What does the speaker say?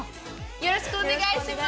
よろしくお願いします